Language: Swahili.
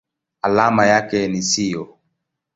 Alama yake ni SiO.